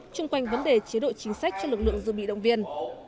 chung quanh vấn đề chế độ chính sách cho lực lượng dự bị động viên